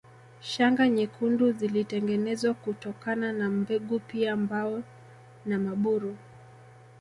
Shanga nyekundu zilitengenezwa kutokana na mbegu pia mbao na maburu